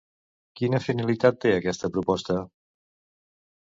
Quina finalitat té aquesta proposta?